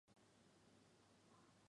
台湾日治时期遭到拆除。